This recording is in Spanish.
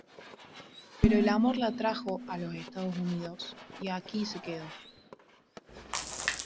Pero el amor la trajo a los Estados Unidos y aquí se quedó.